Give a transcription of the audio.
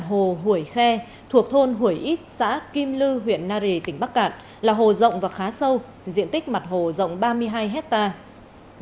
hồ hủy khe thuộc thôn hủy ít xã kim lư huyện nari tỉnh bắc cạn là hồ rộng và khá sâu diện tích mặt hồ rộng ba mươi hai hectare